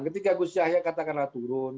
ketika gus yahya katakan latar belakang